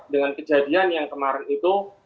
dengan kejadian yang kemarin itu